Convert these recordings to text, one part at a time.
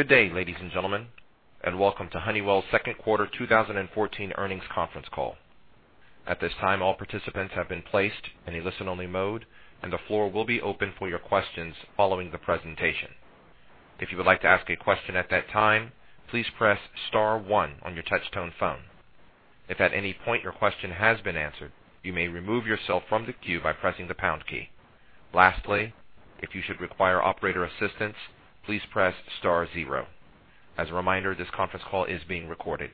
Good day, ladies and gentlemen. Welcome to Honeywell's second quarter 2014 earnings conference call. At this time, all participants have been placed in a listen-only mode, and the floor will be open for your questions following the presentation. If you would like to ask a question at that time, please press star one on your touchtone phone. If at any point your question has been answered, you may remove yourself from the queue by pressing the pound key. Lastly, if you should require operator assistance, please press star zero. As a reminder, this conference call is being recorded.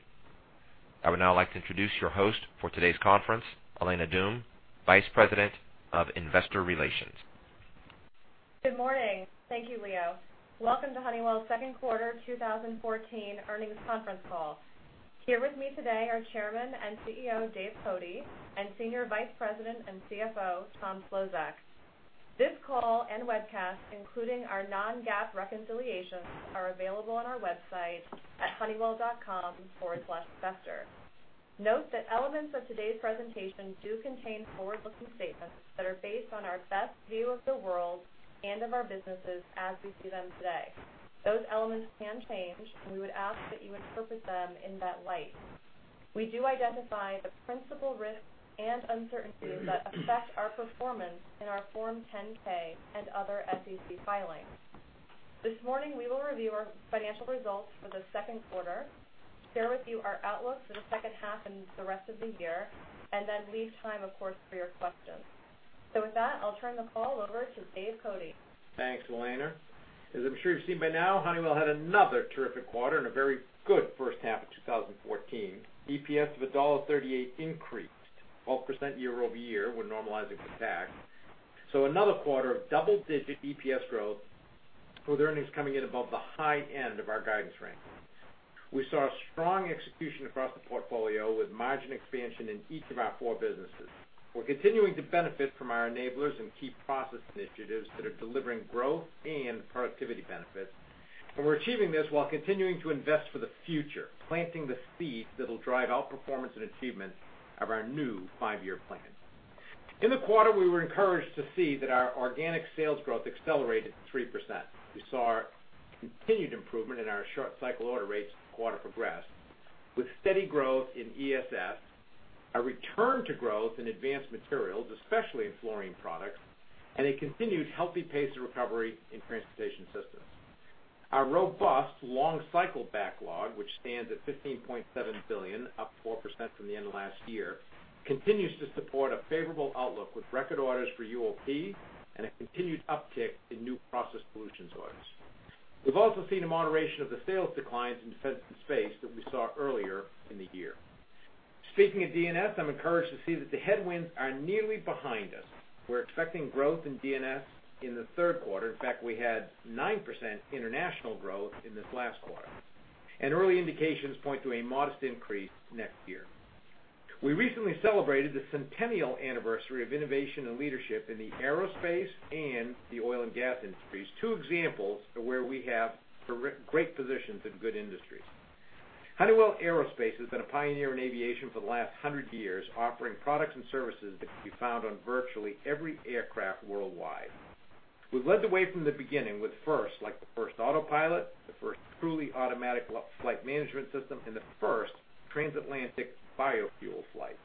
I would now like to introduce your host for today's conference, Elena Doom, Vice President of Investor Relations. Good morning. Thank you, Leo. Welcome to Honeywell's second quarter 2014 earnings conference call. Here with me today are Chairman and CEO, Dave Cote, and Senior Vice President and CFO, Tom Szlosek. This call and webcast, including our non-GAAP reconciliations, are available on our website at honeywell.com/investor. Note that elements of today's presentation do contain forward-looking statements that are based on our best view of the world and of our businesses as we see them today. Those elements can change, and we would ask that you interpret them in that light. We do identify the principal risks and uncertainties that affect our performance in our Form 10-K and other SEC filings. This morning, we will review our financial results for the second quarter, share with you our outlook for the second half and the rest of the year, and then leave time, of course, for your questions. With that, I'll turn the call over to Dave Cote. Thanks, Elena. As I'm sure you've seen by now, Honeywell had another terrific quarter and a very good first half of 2014. EPS of $1.38 increased 12% year-over-year when normalizing for tax. Another quarter of double-digit EPS growth, with earnings coming in above the high end of our guidance range. We saw strong execution across the portfolio, with margin expansion in each of our four businesses. We're continuing to benefit from our enablers and key process initiatives that are delivering growth and productivity benefits. We're achieving this while continuing to invest for the future, planting the seeds that'll drive outperformance and achievement of our new five-year plan. In the quarter, we were encouraged to see that our organic sales growth accelerated 3%. We saw continued improvement in our short cycle order rates as the quarter progressed, with steady growth in ESS, a return to growth in Advanced Materials, especially in fluorine products, and a continued healthy pace of recovery in Transportation Systems. Our robust long cycle backlog, which stands at $15.7 billion, up 4% from the end of last year, continues to support a favorable outlook with record orders for UOP and a continued uptick in new process solutions orders. We've also seen a moderation of the sales declines in Defense and Space that we saw earlier in the year. Speaking of D&S, I'm encouraged to see that the headwinds are nearly behind us. We're expecting growth in D&S in the third quarter. In fact, we had 9% international growth in this last quarter. Early indications point to a modest increase next year. We recently celebrated the centennial anniversary of innovation and leadership in the aerospace and the oil and gas industries, two examples of where we have great positions in good industries. Honeywell Aerospace has been a pioneer in aviation for the last 100 years, offering products and services that can be found on virtually every aircraft worldwide. We've led the way from the beginning with firsts, like the first autopilot, the first truly automatic flight management system, and the first transatlantic biofuel flight.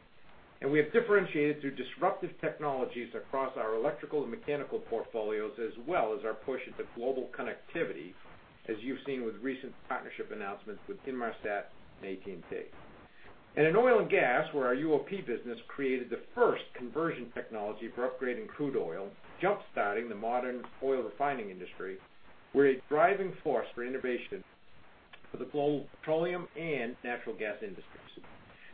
We have differentiated through disruptive technologies across our electrical and mechanical portfolios, as well as our push into global connectivity, as you've seen with recent partnership announcements with Inmarsat and AT&T. In oil and gas, where our UOP business created the first conversion technology for upgrading crude oil, jumpstarting the modern oil refining industry, we're a driving force for innovation for the global petroleum and natural gas industries.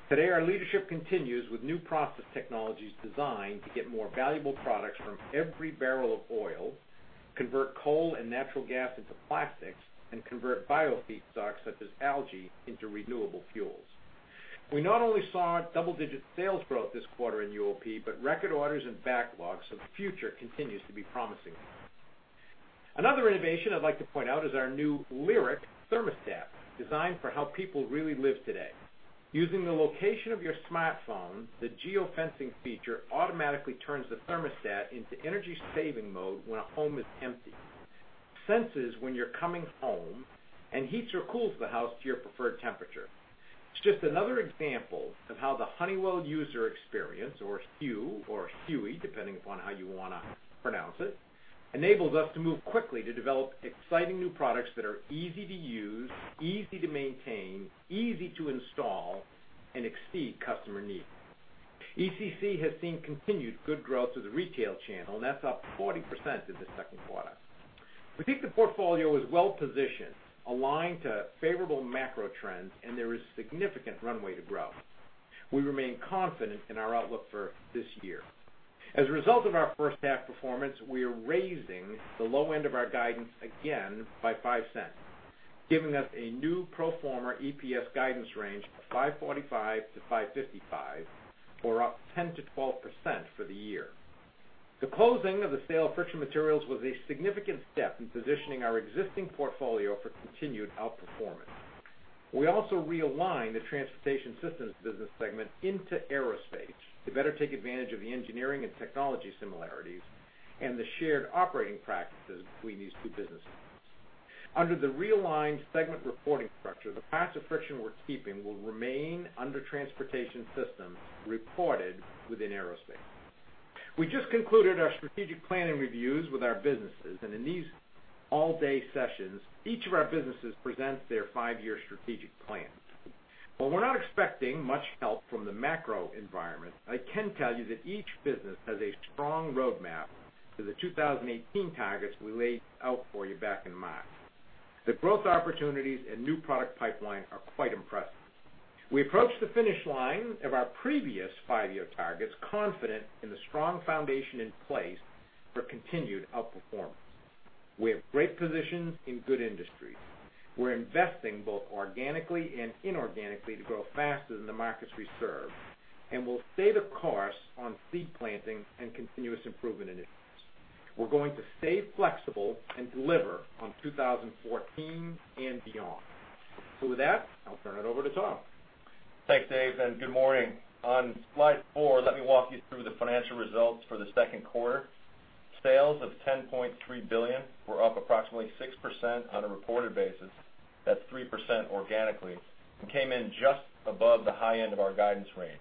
Today, our leadership continues with new process technologies designed to get more valuable products from every barrel of oil, convert coal and natural gas into plastics, and convert biofeed stocks such as algae into renewable fuels. We not only saw double-digit sales growth this quarter in UOP, but record orders and backlogs, so the future continues to be promising. Another innovation I'd like to point out is our new Lyric thermostat, designed for how people really live today. Using the location of your smartphone, the geofencing feature automatically turns the thermostat into energy saving mode when a home is empty, senses when you're coming home, and heats or cools the house to your preferred temperature. It's just another example of how the Honeywell User Experience, or HUE, or Huey, depending upon how you want to pronounce it, enables us to move quickly to develop exciting new products that are easy to use, easy to maintain, easy to install, and exceed customer needs. ECC has seen continued good growth through the retail channel, and that's up 40% in the second quarter. We think the portfolio is well positioned, aligned to favorable macro trends, and there is significant runway to grow. We remain confident in our outlook for this year. As a result of our first half performance, we are raising the low end of our guidance again by $0.05, giving us a new pro forma EPS guidance range of $5.45-$5.55, or up 10%-12% for the year. The closing of the sale of Friction Materials was a significant step in positioning our existing portfolio for continued outperformance. We also realigned the Transportation Systems business segment into Aerospace to better take advantage of the engineering and technology similarities and the shared operating practices between these two business units. Under the realigned segment reporting structure, the parts of Friction we're keeping will remain under Transportation Systems reported within Aerospace. We just concluded our strategic planning reviews with our businesses, in these all-day sessions, each of our businesses presents their five-year strategic plans. While we're not expecting much help from the macro environment, I can tell you that each business has a strong roadmap to the 2018 targets we laid out for you back in March. The growth opportunities and new product pipeline are quite impressive. We approach the finish line of our previous five-year targets confident in the strong foundation in place for continued outperformance. We have great positions in good industries. We're investing both organically and inorganically to grow faster than the markets we serve, we'll stay the course on seed planting and continuous improvement initiatives. We're going to stay flexible and deliver on 2014 and beyond. With that, I'll turn it over to Tom. Thanks, Dave, and good morning. On slide four, let me walk you through the financial results for the second quarter. Sales of $10.3 billion were up approximately 6% on a reported basis, that's 3% organically, came in just above the high end of our guidance range.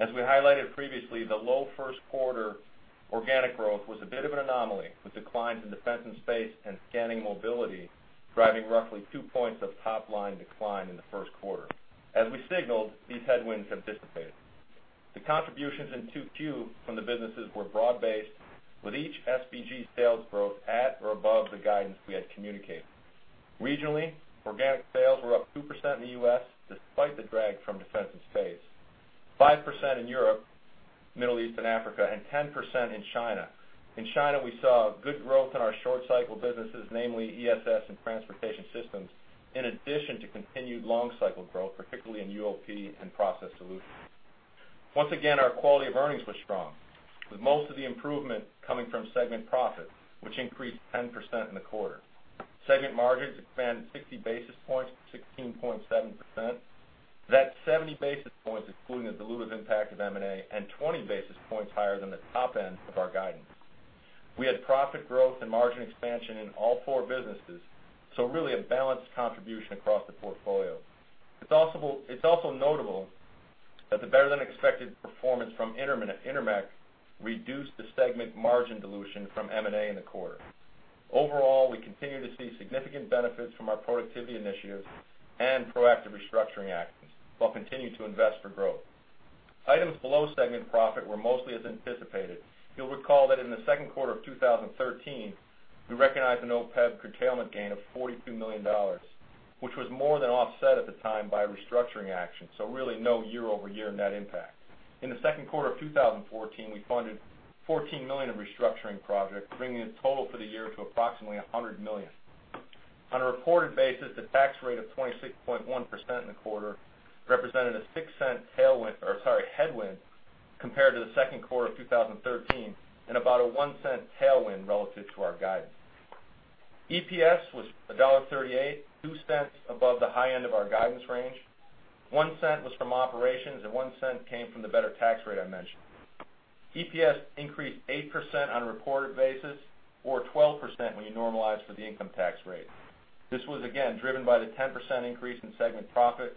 As we highlighted previously, the low first quarter organic growth was a bit of an anomaly, with declines in Defense & Space and Scanning & Mobility driving roughly two points of top-line decline in the first quarter. As we signaled, these headwinds have dissipated. The contributions in 2Q from the businesses were broad-based, with each SBG sales growth at or above the guidance we had communicated. Regionally, organic sales were up 2% in the U.S., despite the drag from Defense & Space, 5% in Europe, Middle East, and Africa, 10% in China. In China, we saw good growth in our short cycle businesses, namely ESS and Transportation Systems, in addition to continued long cycle growth, particularly in UOP and Process Solutions. Once again, our quality of earnings was strong, with most of the improvement coming from segment profit, which increased 10% in the quarter. Segment margins expanded 60 basis points to 16.7%. That's 70 basis points, excluding the dilutive impact of M&A, 20 basis points higher than the top end of our guidance. We had profit growth and margin expansion in all four businesses, so really a balanced contribution across the portfolio. It's also notable that the better-than-expected performance from Intermec reduced the segment margin dilution from M&A in the quarter. Overall, we continue to see significant benefits from our productivity initiatives and proactive restructuring actions while continuing to invest for growth. Items below segment profit were mostly as anticipated. You'll recall that in the second quarter of 2013, we recognized an OPEB curtailment gain of $42 million, which was more than offset at the time by restructuring actions, so really no year-over-year net impact. In the second quarter of 2014, we funded $14 million of restructuring projects, bringing the total for the year to approximately $100 million. On a reported basis, the tax rate of 26.1% in the quarter represented a $0.06 headwind compared to the second quarter of 2013 and about a $0.01 tailwind relative to our guidance. EPS was $1.38, $0.02 above the high end of our guidance range. $0.01 was from operations, and $0.01 came from the better tax rate I mentioned. EPS increased 8% on a reported basis or 12% when you normalize for the income tax rate. This was again driven by the 10% increase in segment profit,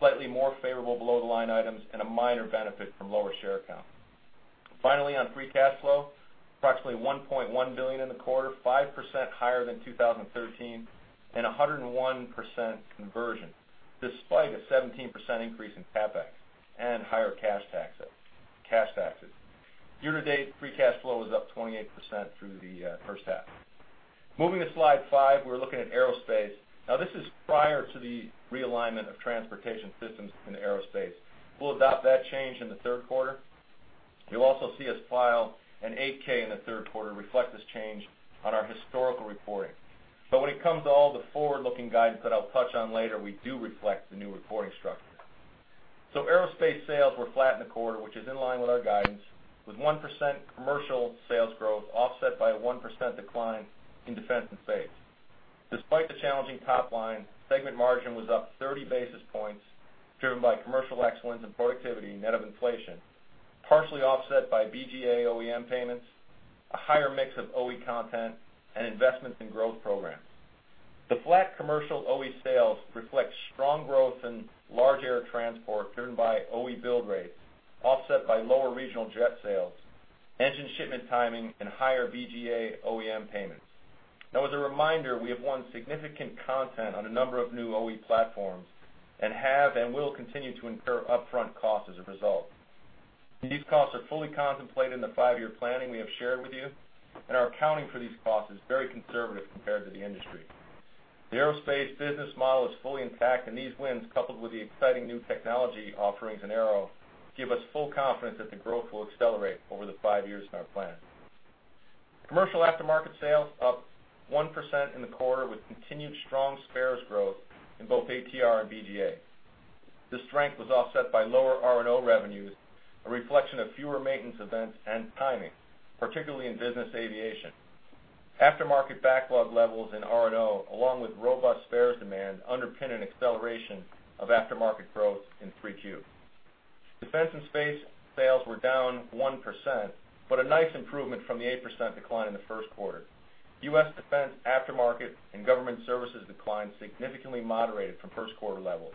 slightly more favorable below-the-line items, and a minor benefit from lower share count. Finally, on free cash flow, approximately $1.1 billion in the quarter, 5% higher than 2013, and 101% conversion, despite a 17% increase in CapEx and higher cash taxes. Year to date, free cash flow is up 28% through the first half. Moving to slide five, we're looking at Aerospace. This is prior to the realignment of Transportation Systems into Aerospace. We'll adopt that change in the third quarter. You'll also see us file an 8-K in the third quarter reflect this change on our historical reporting. When it comes to all the forward-looking guidance that I'll touch on later, we do reflect the new reporting structure. Aerospace sales were flat in the quarter, which is in line with our guidance, with 1% commercial sales growth offset by a 1% decline in Defense & Space. Despite the challenging top line, segment margin was up 30 basis points, driven by commercial excellence and productivity net of inflation, partially offset by BGA OEM payments, a higher mix of OE content, and investments in growth programs. The flat commercial OE sales reflect strong growth in large air transport driven by OE build rates offset by lower regional jet sales, engine shipment timing, and higher BGA OEM payments. As a reminder, we have won significant content on a number of new OE platforms and have and will continue to incur upfront costs as a result. These costs are fully contemplated in the five-year planning we have shared with you and our accounting for these costs is very conservative compared to the industry. The Aerospace business model is fully intact, and these wins, coupled with the exciting new technology offerings in Aero, give us full confidence that the growth will accelerate over the five years in our plan. Commercial aftermarket sales up 1% in the quarter with continued strong spares growth in both ATR and BGA. The strength was offset by lower R&O revenues, a reflection of fewer maintenance events and timing, particularly in business aviation. Aftermarket backlog levels in R&O, along with robust spares demand, underpin an acceleration of aftermarket growth in 3Q. Defense & Space sales were down 1%, a nice improvement from the 8% decline in the first quarter. U.S. Defense aftermarket and government services declined, significantly moderated from first quarter levels,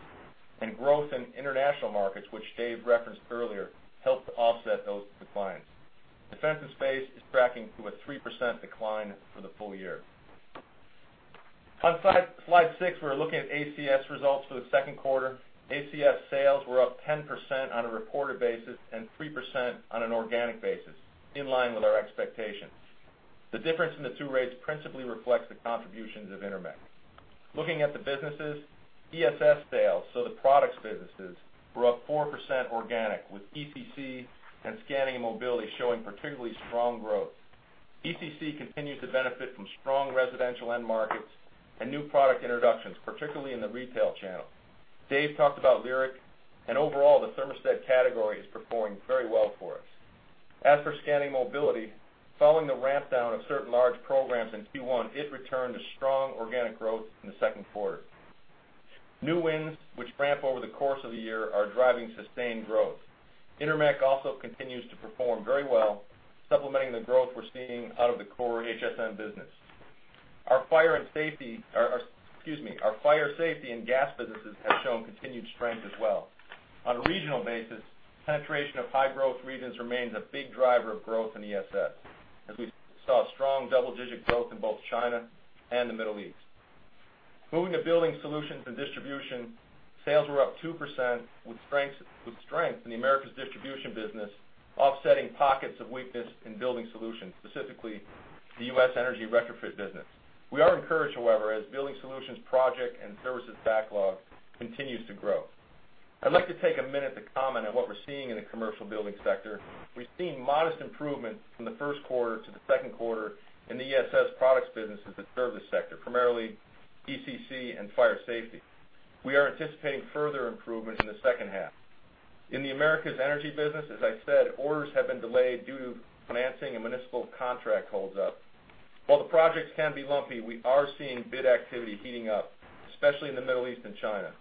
and growth in international markets, which Dave referenced earlier, helped to offset those declines. Defense & Space is tracking to a 3% decline for the full year. On slide six, we're looking at ACS results for the second quarter. ACS sales were up 10% on a reported basis and 3% on an organic basis, in line with our expectations. The difference in the two rates principally reflects the contributions of Intermec. Looking at the businesses, ESS sales, so the products businesses, were up 4% organic, with ECC and Scanning & Mobility showing particularly strong growth. ECC continues to benefit from strong residential end markets and new product introductions, particularly in the retail channel. Dave talked about Lyric, and overall, the thermostat category is performing very well for us. As for Scanning & Mobility, following the ramp-down of certain large programs in Q1, it returned to strong organic growth in the second quarter. New wins, which ramp over the course of the year, are driving sustained growth. Intermec also continues to perform very well, supplementing the growth we're seeing out of the core HSM business. Our fire safety and gas businesses have shown continued strength as well. On a regional basis, penetration of high-growth regions remains a big driver of growth in ESS, as we saw strong double-digit growth in both China and the Middle East. Moving to Building Solutions and distribution, sales were up 2% with strength in the Americas distribution business offsetting pockets of weakness in Building Solutions, specifically the U.S. energy retrofit business. We are encouraged, however, as Building Solutions project and services backlog continues to grow. I'd like to take a minute to comment on what we're seeing in the commercial building sector. We've seen modest improvement from the first quarter to the second quarter in the ESS products businesses that serve this sector, primarily ECC and fire safety. We are anticipating further improvement in the second half. In the Americas energy business, as I said, orders have been delayed due to financing and municipal contract holds up. While the projects can be lumpy, we are seeing bid activity heating up, especially in the Middle East and China,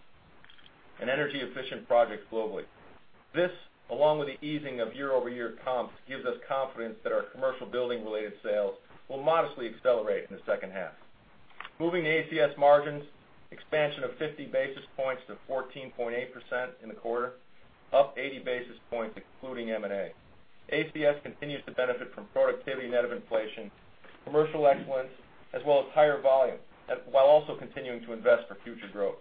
and energy-efficient projects globally. This, along with the easing of year-over-year comps, gives us confidence that our commercial building-related sales will modestly accelerate in the second half. Moving to ACS margins, expansion of 50 basis points to 14.8% in the quarter, up 80 basis points, excluding M&A. ACS continues to benefit from productivity net of inflation, commercial excellence, as well as higher volume, while also continuing to invest for future growth.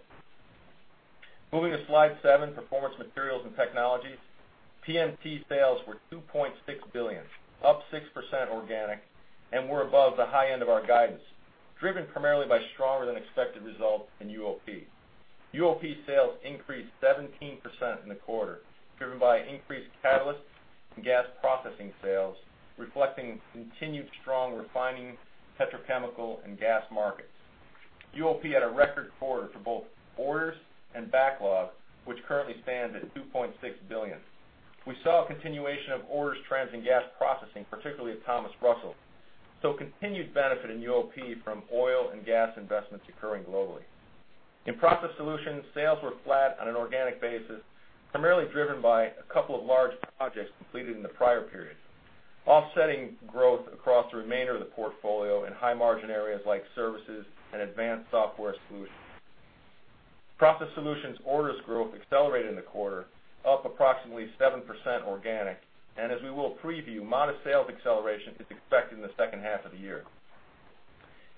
Moving to slide seven, Performance Materials & Technologies. PMT sales were $2.6 billion, up 6% organic, and were above the high end of our guidance, driven primarily by stronger than expected results in UOP. UOP sales increased 17% in the quarter, driven by increased catalysts and gas processing sales, reflecting continued strong refining petrochemical and gas markets. UOP had a record quarter for both orders and backlog, which currently stands at $2.6 billion. We saw a continuation of orders trends in gas processing, particularly at Thomas Russell, so continued benefit in UOP from oil and gas investments occurring globally. In Process Solutions, sales were flat on an organic basis, primarily driven by a couple of large projects completed in the prior period, offsetting growth across the remainder of the portfolio in high-margin areas like services and advanced software solutions. Process Solutions orders growth accelerated in the quarter, up approximately 7% organic, and as we will preview, modest sales acceleration is expected in the second half of the year.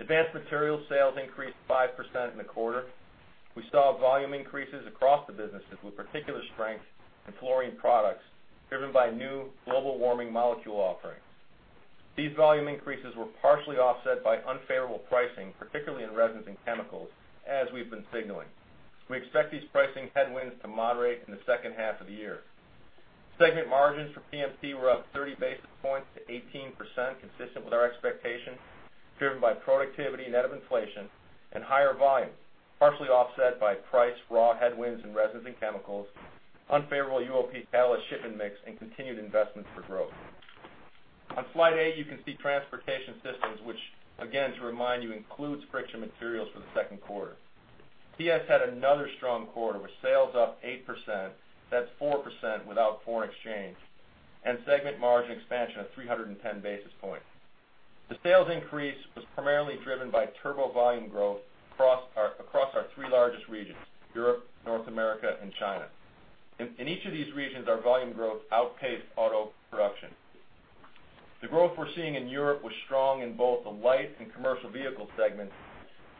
Advanced Materials sales increased 5% in the quarter. We saw volume increases across the businesses with particular strength in fluorine products, driven by new global warming molecule offerings. These volume increases were partially offset by unfavorable pricing, particularly in resins and chemicals, as we've been signaling. We expect these pricing headwinds to moderate in the second half of the year. Segment margins for PMT were up 30 basis points to 18%, consistent with our expectation, driven by productivity net of inflation and higher volumes, partially offset by price, raw headwinds in resins and chemicals, unfavorable UOP catalyst shipment mix, and continued investments for growth. On slide eight, you can see Transportation Systems, which again, to remind you, includes Friction Materials for the second quarter. TS had another strong quarter with sales up 8%, that's 4% without foreign exchange, and segment margin expansion of 310 basis points. The sales increase was primarily driven by turbo volume growth across our three largest regions, Europe, North America, and China. In each of these regions, our volume growth outpaced auto production. The growth we're seeing in Europe was strong in both the light and commercial vehicle segments.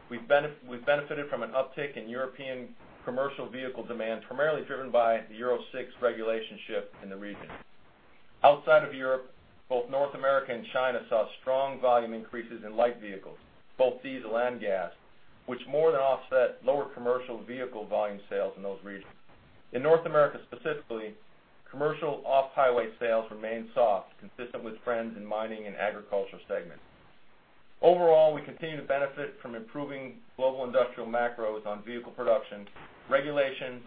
We've benefited from an uptick in European commercial vehicle demand, primarily driven by the Euro 6 regulation shift in the region. Outside of Europe, both North America and China saw strong volume increases in light vehicles, both diesel and gas, which more than offset lower commercial vehicle volume sales in those regions. In North America, specifically, commercial off-highway sales remained soft, consistent with trends in mining and agriculture segments. Overall, we continue to benefit from improving global industrial macros on vehicle production, regulation,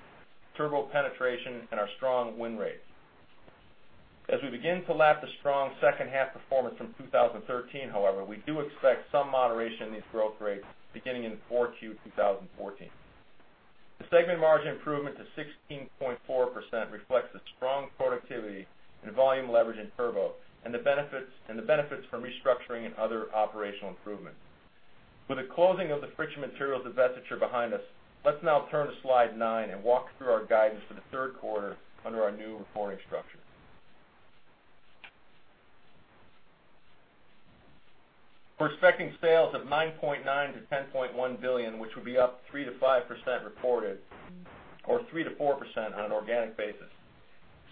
turbo penetration, and our strong win rates. As we begin to lap the strong second half performance from 2013, however, we do expect some moderation in these growth rates beginning in 4Q 2014. The segment margin improvement to 16.4% reflects the strong productivity and volume leverage in turbo, and the benefits from restructuring and other operational improvements. With the closing of the Friction Materials divestiture behind us, let's now turn to slide nine and walk through our guidance for the third quarter under our new reporting structure. We're expecting sales of $9.9 billion-$10.1 billion, which will be up 3%-5% reported, or 3%-4% on an organic basis.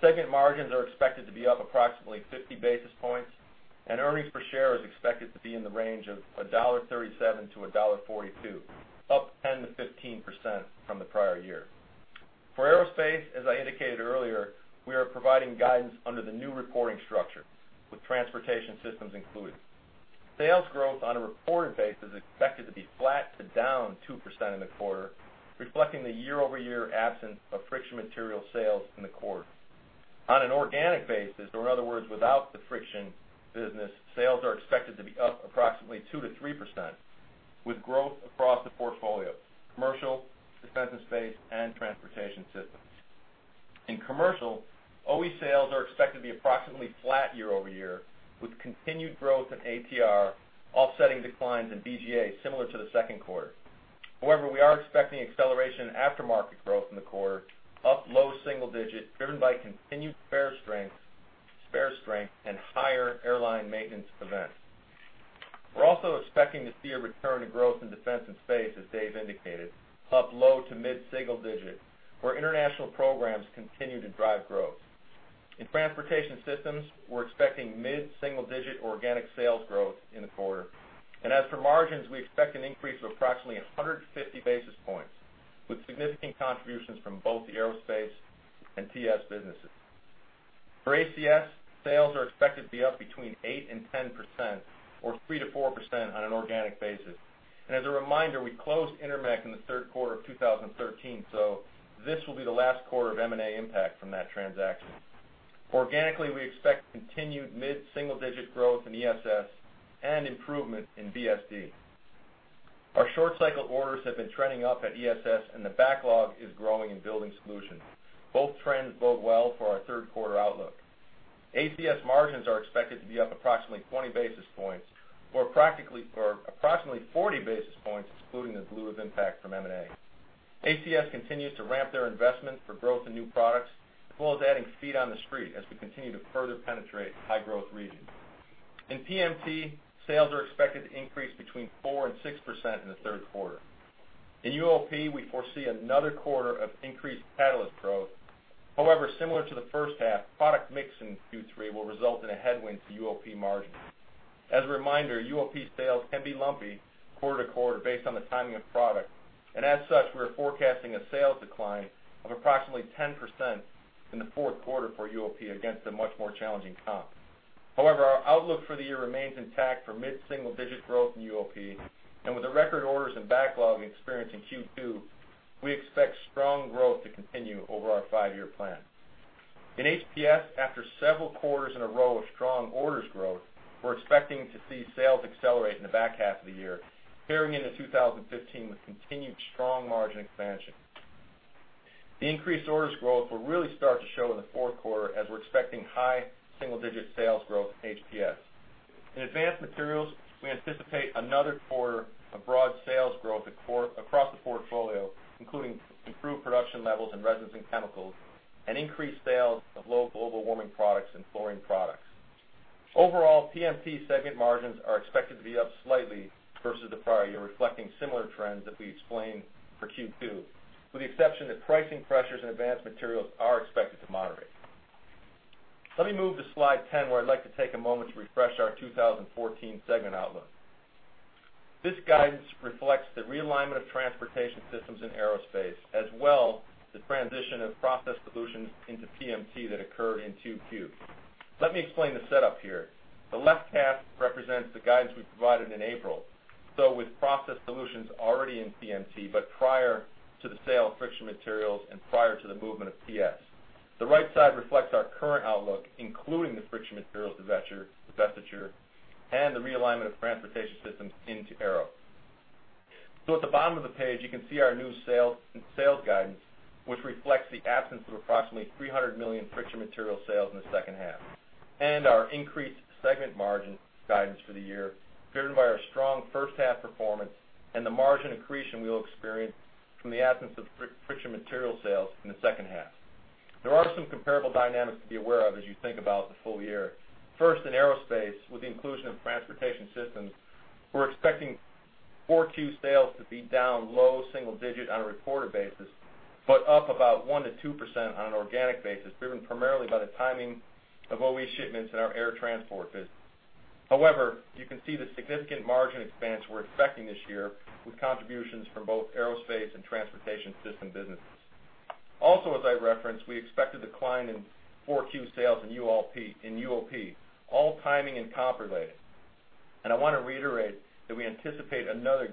Segment margins are expected to be up approximately 50 basis points, and earnings per share is expected to be in the range of $1.37-$1.42, up 10%-15% from the prior year. For Aerospace, as I indicated earlier, we are providing guidance under the new reporting structure, with Transportation Systems included. Sales growth on a reported basis is expected to be flat to down 2% in the quarter, reflecting the year-over-year absence of Friction Materials sales in the quarter. On an organic basis, or in other words, without the Friction Materials business, sales are expected to be up approximately 2%-3%, with growth across the portfolio, commercial, Defense & Space, and Transportation Systems. In commercial, OE sales are expected to be approximately flat year-over-year, with continued growth in ATR offsetting declines in BGA, similar to the second quarter. However, we are expecting acceleration in aftermarket growth in the quarter, up low single-digit, driven by continued spare strength, and higher airline maintenance events. We're also expecting to see a return to growth in Defense & Space, as Dave indicated, up low to mid-single-digit, where international programs continue to drive growth. In Transportation Systems, we're expecting mid-single-digit organic sales growth in the quarter. As for margins, we expect an increase of approximately 150 basis points, with significant contributions from both the aerospace and TS businesses. For ACS, sales are expected to be up between 8% and 10%, or 3%-4% on an organic basis. As a reminder, we closed Intermec in the third quarter of 2013, so this will be the last quarter of M&A impact from that transaction. Organically, we expect continued mid-single-digit growth in ESS and improvement in BSD. Our short cycle orders have been trending up at ESS and the backlog is growing in Building Solutions. Both trends bode well for our third quarter outlook. ACS margins are expected to be up approximately 20 basis points or approximately 40 basis points, excluding the dilutive impact from M&A. ACS continues to ramp their investment for growth in new products, as well as adding feet on the street as we continue to further penetrate high-growth regions. In PMT, sales are expected to increase between 4% and 6% in the third quarter. In UOP, we foresee another quarter of increased catalyst growth. However, similar to the first half, product mix in Q3 will result in a headwind to UOP margins. As a reminder, UOP sales can be lumpy quarter-to-quarter based on the timing of product, as such, we are forecasting a sales decline of approximately 10% in the fourth quarter for UOP against a much more challenging comp. However, our outlook for the year remains intact for mid-single-digit growth in UOP, with the record orders and backlog we experienced in Q2, we expect strong growth to continue over our five-year plan. In HPS, after several quarters in a row of strong orders growth, we're expecting to see sales accelerate in the back half of the year, carrying into 2015 with continued strong margin expansion. The increased orders growth will really start to show in the fourth quarter, as we're expecting high single-digit sales growth in HPS. In Advanced Materials, we anticipate another quarter of broad sales growth across the portfolio, including improved production levels in resins and chemicals, and increased sales of low global warming products and fluorine products. Overall, PMT segment margins are expected to be up slightly versus the prior year, reflecting similar trends that we explained for Q2, with the exception that pricing pressures in Advanced Materials are expected to moderate. Let me move to slide 10, where I'd like to take a moment to refresh our 2014 segment outlook. This guidance reflects the realignment of Transportation Systems and aerospace, as well the transition of Process Solutions into PMT that occurred in 2Q. Let me explain the setup here. The left half represents the guidance we provided in April. With Process Solutions already in PMT, but prior to the sale of Friction Materials and prior to the movement of TS. The right side reflects our current outlook, including the Friction Materials divestiture, and the realignment of Transportation Systems into Aerospace. At the bottom of the page, you can see our new sales guidance, which reflects the absence of approximately $300 million Friction Materials sales in the second half, and our increased segment margin guidance for the year, driven by our strong first half performance and the margin accretion we will experience from the absence of Friction Materials sales in the second half. There are some comparable dynamics to be aware of as you think about the full year. First, in Aerospace, with the inclusion of Transportation Systems, we're expecting 4Q sales to be down low single digit on a reported basis, but up about 1%-2% on an organic basis, driven primarily by the timing of OE shipments in our air transport business. However, you can see the significant margin expanse we're expecting this year, with contributions from both Aerospace and Transportation Systems businesses. Also, as I referenced, we expect a decline in 4Q sales in UOP, all timing and comp related. I want to reiterate that we anticipate another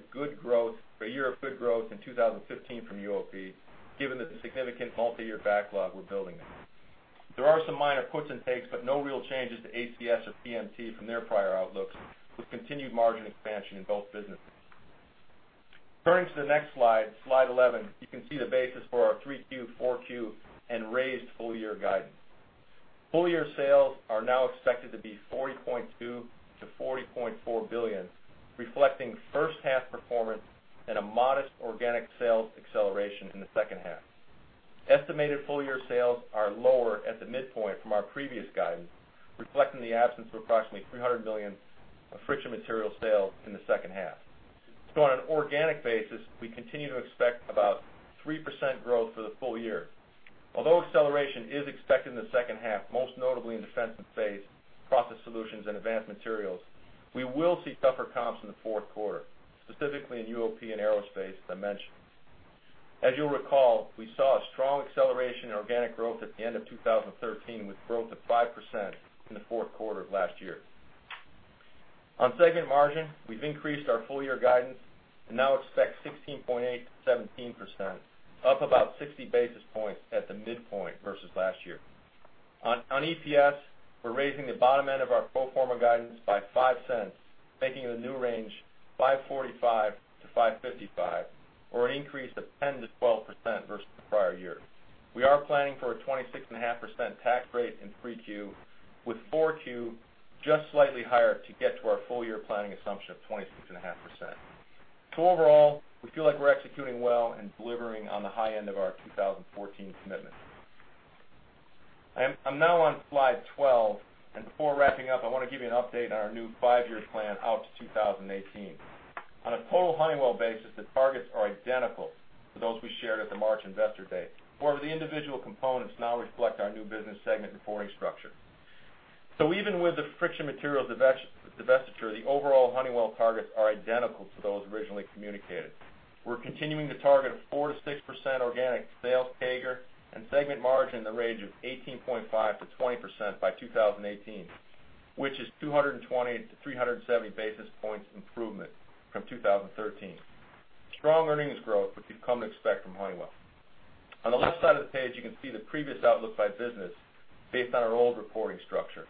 year of good growth in 2015 from UOP, given the significant multi-year backlog we're building there. There are some minor puts and takes, but no real changes to ACS or PMT from their prior outlooks, with continued margin expansion in both businesses. Turning to the next slide 11, you can see the basis for our 3Q, 4Q, and raised full year guidance. Full year sales are now expected to be $40.2 billion-$40.4 billion, reflecting first half performance and a modest organic sales acceleration in the second half. Estimated full year sales are lower at the midpoint from our previous guidance, reflecting the absence of approximately $300 million of Friction Materials sales in the second half. On an organic basis, we continue to expect about 3% growth for the full year. Although acceleration is expected in the second half, most notably in Defense & Space, Process Solutions, and Advanced Materials, we will see tougher comps in the fourth quarter, specifically in UOP and Aerospace, as I mentioned. As you'll recall, we saw a strong acceleration in organic growth at the end of 2013, with growth of 5% in the fourth quarter of last year. On segment margin, we've increased our full year guidance and now expect 16.8%-17%, up about 60 basis points at the midpoint versus last year. On EPS, we're raising the bottom end of our pro forma guidance by $0.05, making the new range $5.45-$5.55, or an increase of 10%-12% versus the prior year. We are planning for a 26.5% tax rate in 3Q, with 4Q just slightly higher to get to our full year planning assumption of 26.5%. Overall, we feel like we're executing well and delivering on the high end of our 2014 commitment. I'm now on slide 12. Before wrapping up, I want to give you an update on our new five-year plan out to 2018. On a total Honeywell basis, the targets are identical to those we shared at the March investor day. However, the individual components now reflect our new business segment reporting structure. Even with the Friction Materials divestiture, the overall Honeywell targets are identical to those originally communicated. We're continuing to target a 4%-6% organic sales CAGR and segment margin in the range of 18.5%-20% by 2018, which is 220 to 370 basis points improvement from 2013. Strong earnings growth, which you've come to expect from Honeywell. On the left side of the page, you can see the previous outlook by business based on our old reporting structure.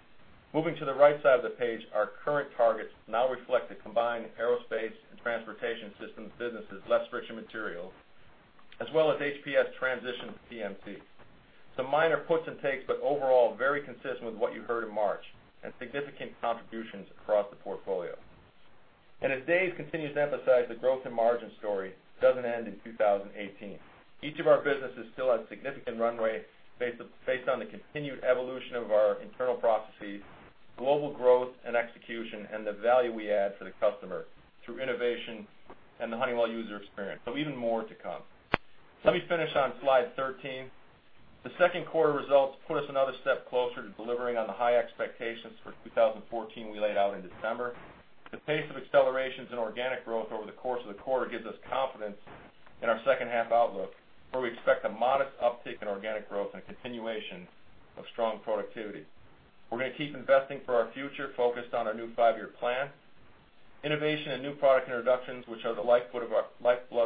Moving to the right side of the page, our current targets now reflect the combined Honeywell Aerospace and Transportation Systems businesses, less Friction Materials, as well as HPS transition to PMT. Some minor puts and takes, but overall, very consistent with what you heard in March, significant contributions across the portfolio. As Dave continues to emphasize, the growth and margin story doesn't end in 2018. Each of our businesses still has significant runway based on the continued evolution of our internal processes, global growth and execution, and the value we add for the customer through innovation and the Honeywell User Experience. Even more to come. Let me finish on slide 13. The second quarter results put us another step closer to delivering on the high expectations for 2014 we laid out in December. The pace of accelerations in organic growth over the course of the quarter gives us confidence in our second half outlook, where we expect a modest uptick in organic growth and continuation of strong productivity. We're going to keep investing for our future, focused on our new five-year plan. Innovation and new product introductions, which are the lifeblood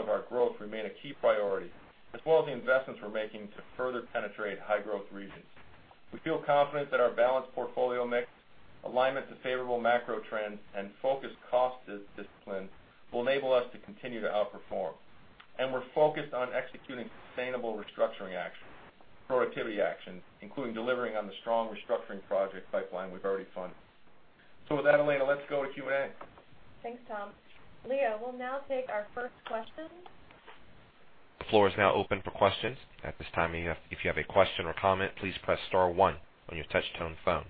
of our growth, remain a key priority, as well as the investments we're making to further penetrate high growth regions. We feel confident that our balanced portfolio mix, alignment to favorable macro trends, and focused cost discipline will enable us to continue to outperform. We're focused on executing sustainable restructuring actions, productivity actions, including delivering on the strong restructuring project pipeline we've already funded. With that, Elena, let's go to Q&A. Thanks, Tom. Leo, we'll now take our first question. The floor is now open for questions. At this time, if you have a question or comment, please press star one on your touch tone phone.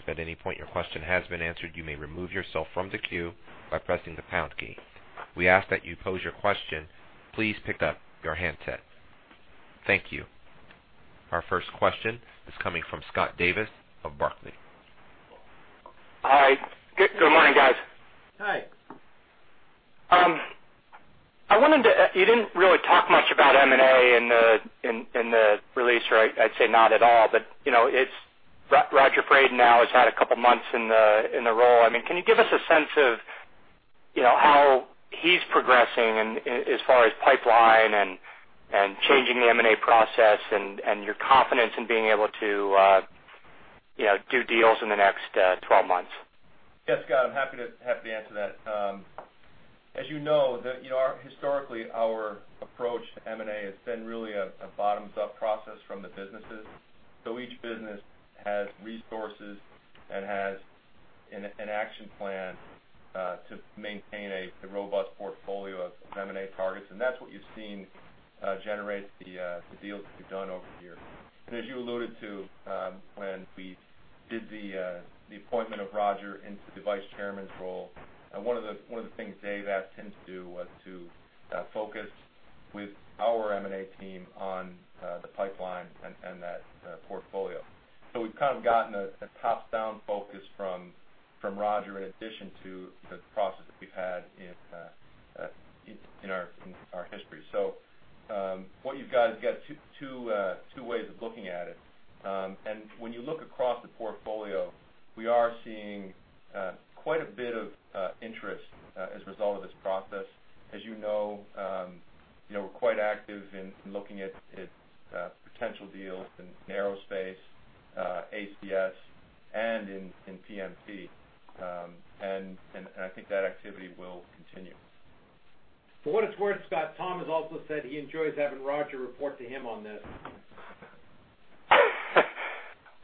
If at any point your question has been answered, you may remove yourself from the queue by pressing the pound key. We ask that you pose your question, please pick up your handset. Thank you. Our first question is coming from Scott Davis of Barclays. Hi. Good morning, guys. Hi. You didn't really talk much about M&A in the release, or I'd say not at all. Roger Fradin now has had a couple of months in the role. Can you give us a sense of how he's progressing as far as pipeline and changing the M&A process and your confidence in being able to do deals in the next 12 months? Yes, Scott, I'm happy to answer that. As you know, historically, our approach to M&A has been really a bottoms-up process from the businesses. Each business has resources and has an action plan to maintain a robust portfolio of M&A targets, and that's what you've seen generate the deals that we've done over the years. As you alluded to, when we did the appointment of Roger into the vice chairman's role, one of the things Dave asked him to do was to focus with our M&A team on the pipeline and that portfolio. We've kind of gotten a tops-down focus from Roger in addition to the process that we've had in place. In our history. What you've got is you've got two ways of looking at it. When you look across the portfolio, we are seeing quite a bit of interest as a result of this process. As you know, we're quite active in looking at potential deals in aerospace, ACS, and in PMT. I think that activity will continue. For what it's worth, Scott, Tom has also said he enjoys having Roger report to him on this.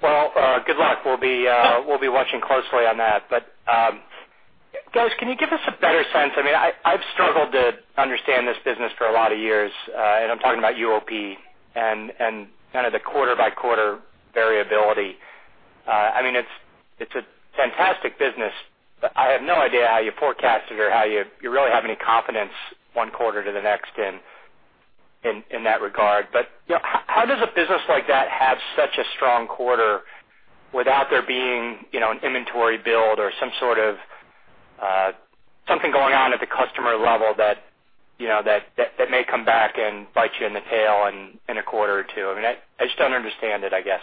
Well, good luck. We'll be watching closely on that. Guys, can you give us a better sense, I've struggled to understand this business for a lot of years, and I'm talking about UOP, and kind of the quarter by quarter variability. It's a fantastic business, but I have no idea how you forecast it or how you really have any confidence one quarter to the next in that regard. How does a business like that have such a strong quarter without there being an inventory build or something going on at the customer level that may come back and bite you in the tail in a quarter or two? I just don't understand it, I guess.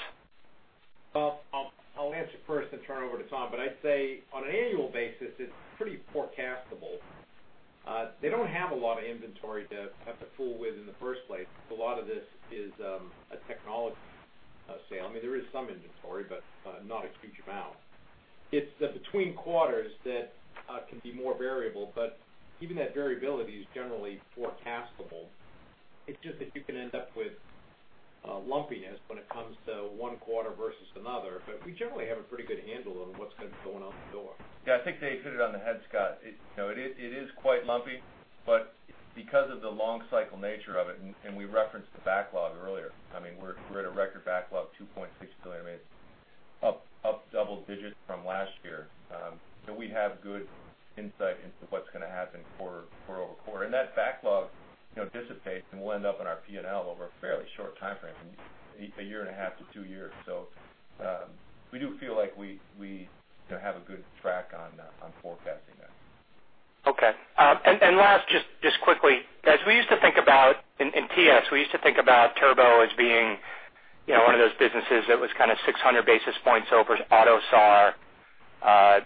Well, I'll answer first, then turn it over to Tom. I'd say, on an annual basis, it's pretty forecastable. They don't have a lot of inventory to have to fool with in the first place. A lot of this is a technology sale. There is some inventory, but not a huge amount. It's between quarters that can be more variable, but even that variability is generally forecastable. It's just that you can end up with lumpiness when it comes to one quarter versus another, but we generally have a pretty good handle on what's going to be going out the door. Yeah, I think Dave hit it on the head, Scott. It is quite lumpy, but because of the long cycle nature of it, and we referenced the backlog earlier. We're at a record backlog, $2.6 billion, up double-digit from last year. We have good insight into what's going to happen quarter-over-quarter. That backlog dissipates, and we'll end up in our P&L over a fairly short timeframe, a year and a half to two years. We do feel like we have a good track on forecasting that. Okay. Last, just quickly, in TS, we used to think about turbo as being one of those businesses that was kind of 600 basis points over auto SAAR,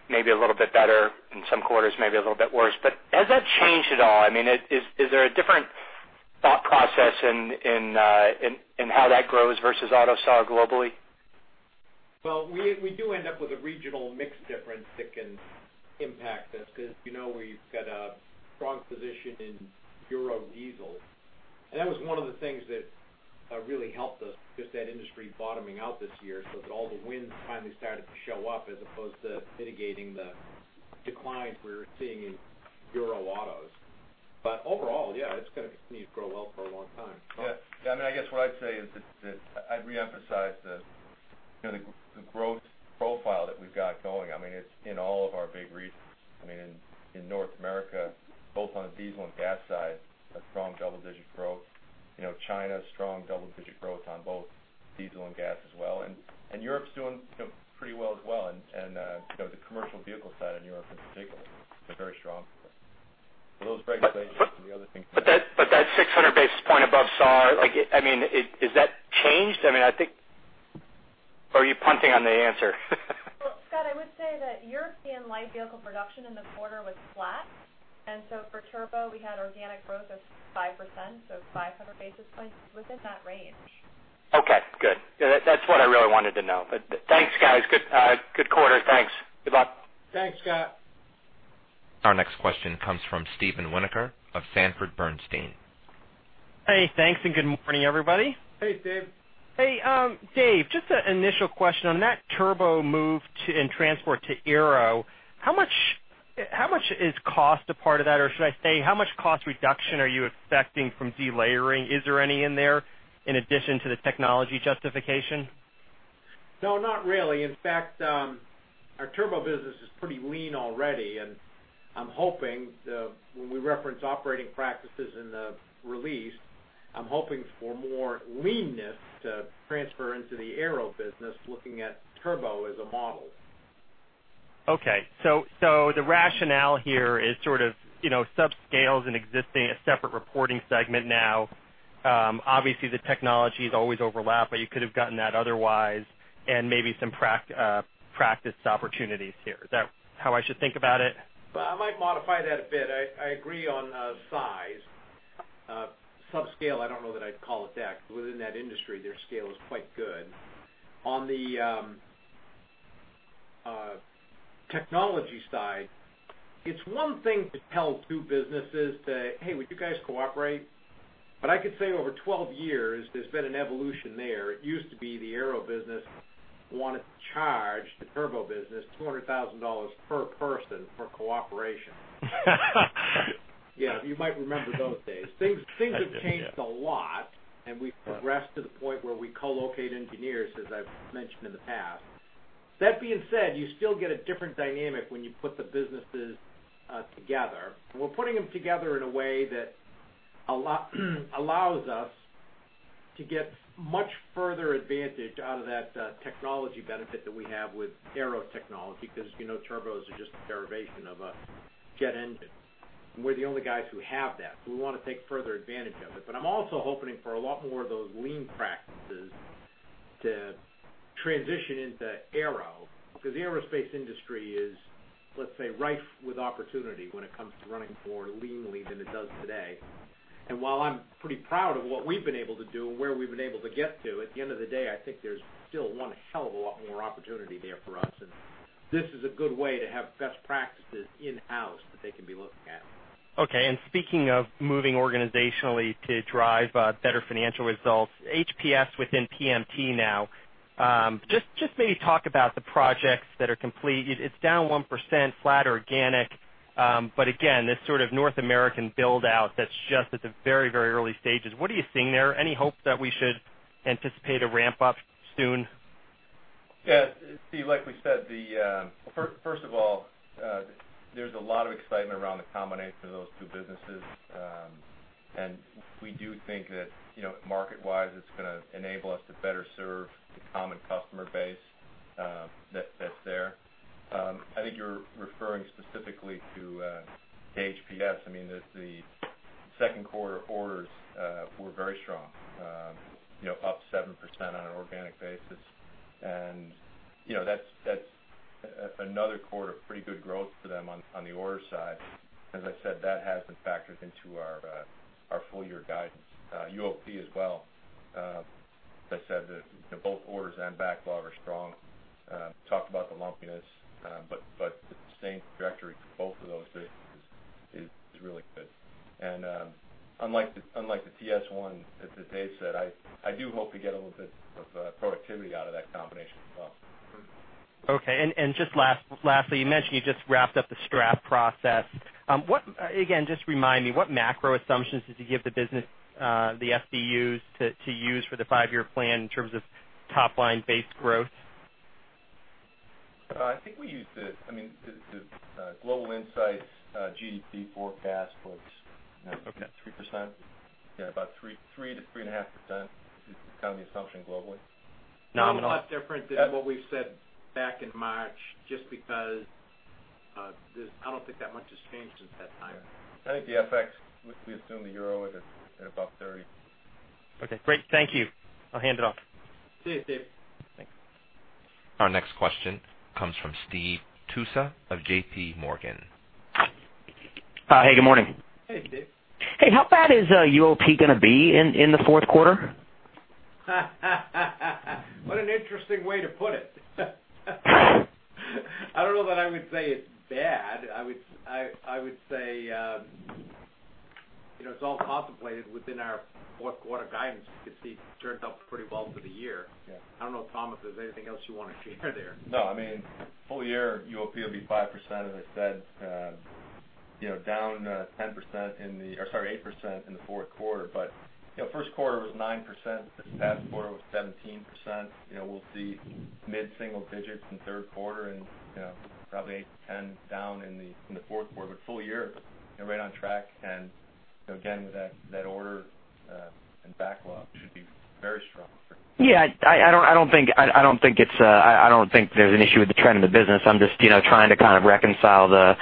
maybe a little bit better in some quarters, maybe a little bit worse. Has that changed at all? Is there a different thought process in how that grows versus auto SAAR globally? Well, we do end up with a regional mix difference that can impact us, because we've got a strong position in Euro diesel. That was one of the things that really helped us, just that industry bottoming out this year so that all the wins finally started to show up as opposed to mitigating the declines we were seeing in Euro autos. Overall, yeah, it's going to continue to grow well for a long time. Yeah. I guess what I'd say is that I'd reemphasize the growth No, not really. In fact, our turbo business is pretty lean already, and I'm hoping, when we reference operating practices in the release, I'm hoping for more leanness to transfer into the aero business, looking at turbo as a model. Okay. The rationale here is sort of subscale and existing a separate reporting segment now. Obviously, the technologies always overlap, but you could've gotten that otherwise and maybe some practice opportunities here. Is that how I should think about it? Well, I might modify that a bit. I agree on size. Subscale, I don't know that I'd call it that, because within that industry, their scale is quite good. On the technology side, it's one thing to tell two businesses to, "Hey, would you guys cooperate?" I could say over 12 years, there's been an evolution there. It used to be the aero business wanted to charge the turbo business $200,000 per person for cooperation. Yeah. You might remember those days. Things have changed. I didn't, yeah a lot, and we've progressed to the point where we co-locate engineers, as I've mentioned in the past. That being said, you still get a different dynamic when you put the businesses together. We're putting them together in a way that allows us to get much further advantage out of that technology benefit that we have with Aero technology, because as you know, turbos are just a derivation of a jet engine, and we're the only guys who have that, so we want to take further advantage of it. I'm also hoping for a lot more of those lean practices to transition into Aero, because the aerospace industry is, let's say, rife with opportunity when it comes to running more leanly than it does today. While I'm pretty proud of what we've been able to do and where we've been able to get to, at the end of the day, I think there's still one hell of a lot more opportunity there for us, and this is a good way to have best practices in-house that they can be looking at. Okay. Speaking of moving organizationally to drive better financial results, HPS within PMT now, just maybe talk about the projects that are complete. It's down 1%, flat organic. Again, this sort of North American build-out that's just at the very, very early stages, what are you seeing there? Any hope that we should anticipate a ramp up soon? Yeah. Steve, like we said, first of all, there's a lot of excitement around the combination of those two businesses. We do think that market-wise, it's going to enable us to better serve the common customer base that's there. I think you're referring specifically to HPS. The second quarter orders were very strong, up 7% on an organic basis. That's another quarter of pretty good growth for them on the order side. As I said, that has been factored into our full-year guidance. UOP as well. As I said, both orders and backlog are strong. Talked about the lumpiness, the same trajectory for both of those businesses is really good. Unlike the TS, as Dave said, I do hope to get a little bit of productivity out of that combination as well. Okay. Just lastly, you mentioned you just wrapped up the STRAT process. Again, just remind me, what macro assumptions did you give the business, the SBUs to use for the five-year plan in terms of top-line base growth? I think we used the Global Insight GDP forecast. Okay 3%. Yeah, about 3%-3.5% is kind of the assumption globally. Nominal. Not different than what we've said back in March, just because, I don't think that much has changed since that time. I think the FX, we assume the euro at above 1.30. Okay, great. Thank you. I'll hand it off. See you, Steve. Thanks. Our next question comes from Steve Tusa of J.P. Morgan. Hi. Good morning. Hey, Steve. Hey, how bad is UOP going to be in the fourth quarter? What an interesting way to put it. I don't know that I would say it's bad. I would say, it's all contemplated within our fourth quarter guidance, because Steve turned up pretty well for the year. Yeah. I don't know, Tom, if there's anything else you want to share there. Full year UOP will be 5%, as I said, down 8% in the fourth quarter. First quarter was 9%, this past quarter was 17%. We'll see mid-single digits in third quarter and probably 8 to 10 down in the fourth quarter. Full year, right on track, and again, with that order and backlog should be very strong for UOP. I don't think there's an issue with the trend of the business. I'm just trying to kind of reconcile the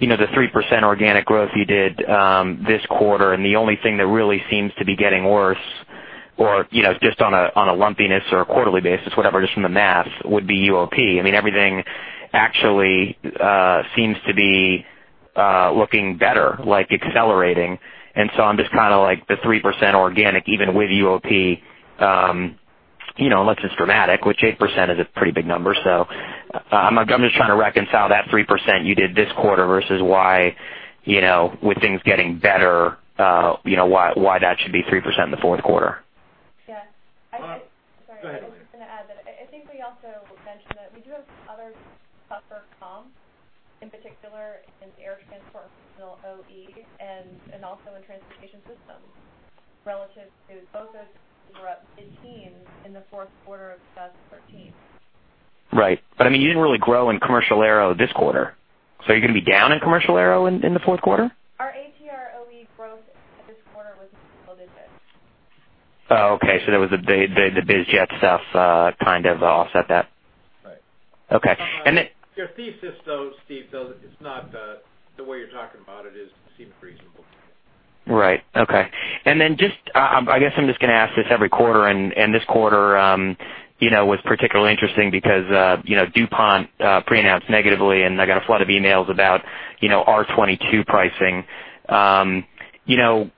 3% organic growth you did this quarter, and the only thing that really seems to be getting worse or just on a lumpiness or a quarterly basis, whatever, just from the math, would be UOP. Everything actually seems to be looking better, like accelerating, and so I'm just like the 3% organic, even with UOP, unless it's dramatic, which 8% is a pretty big number. I'm just trying to reconcile that 3% you did this quarter versus why, with things getting better, why that should be 3% in the fourth quarter. Yeah. Go ahead. I'm just going to add that I think we also mentioned that we do have other tougher comps, in particular in Air Transport OE and also in Transportation Systems relative to both those were up 15% in the fourth quarter of 2013. Right. You didn't really grow in commercial aero this quarter. Are you going to be down in commercial aero in the fourth quarter? Our ATR OE growth this quarter was loaded. Oh, okay. The biz jet stuff kind of offset that. Right. Okay. Your thesis, though, Steve, the way you're talking about it seems reasonable. Right. Okay. Then just, I guess I'm just going to ask this every quarter, this quarter was particularly interesting because DuPont pre-announced negatively, I got a flood of emails about R-22 pricing. I don't